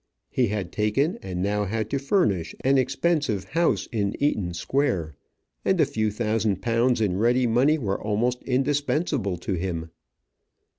He had taken and now had to furnish an expensive house in Eaton Square, and a few thousand pounds in ready money were almost indispensable to him.